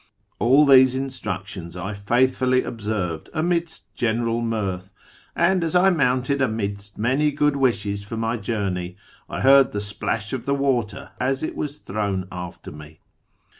All these instructions I faith fully observed amidst general mirth, and as I mounted amidst many good wishes for my journey I heard the splash of the water as it was thrown after me.